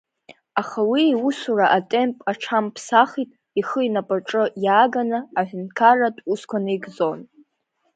Аха уи иусура атемп аҽамԥсахит, ихы инапаҿы иааганы, аҳәынҭқарратә усқәа наигӡон.